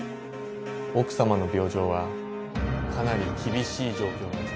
奥様の病状はかなり厳しい状況が続いています。